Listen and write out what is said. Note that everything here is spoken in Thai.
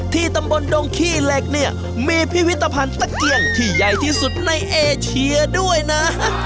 ที่ตำบลดงขี้เหล็กเนี่ยมีพิพิธภัณฑ์ตะเกียงที่ใหญ่ที่สุดในเอเชียด้วยนะ